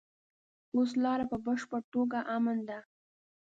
اوس لاره په بشپړه توګه امن ده.